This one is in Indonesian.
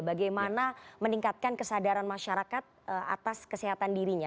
bagaimana meningkatkan kesadaran masyarakat atas kesehatan dirinya